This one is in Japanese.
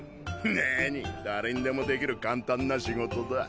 なに誰にでもできる簡単な仕事だ。